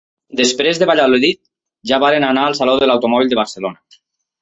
Després de Valladolid ja varen anar al Saló de l'Automòbil de Barcelona.